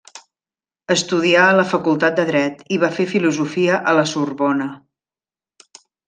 Estudià a la facultat de dret, i va fer filosofia a la Sorbona.